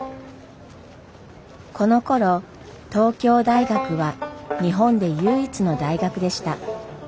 このころ東京大学は日本で唯一の大学でした。